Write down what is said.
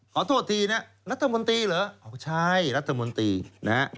ขอโทษทีนะรัฐมนตรีเหรออ๋อใช่รัฐมนตรีนะฮะ